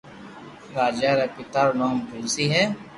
راجا رآ پيتا رو نوم تلسي ھي